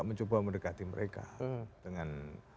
mencoba mendekati mereka dengan